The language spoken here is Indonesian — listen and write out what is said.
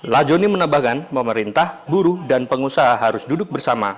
lajoni menambahkan pemerintah buruh dan pengusaha harus duduk bersama